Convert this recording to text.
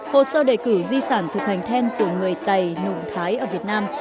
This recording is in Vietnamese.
hồ sơ đề cử di sản thực hành then của người tày nùng thái ở việt nam